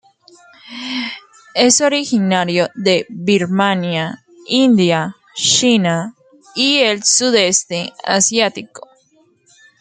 Es originario de Birmania, India, China y el sudeste asiático.